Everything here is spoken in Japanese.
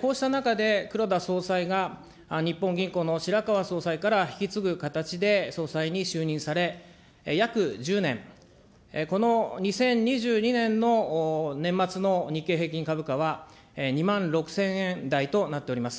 こうした中で黒田総裁が日本銀行の白川総裁から引き継ぐ形で総裁に就任され、約１０年、この２０２２年の年末の日経平均株価は２万６０００円台となっています。